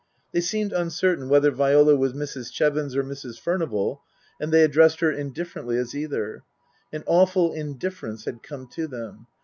They seemed uncertain whether Viola was Mrs. Chevons or Mrs. Furnival, and they addressed her indifferently as either. An awful indifference had come to them.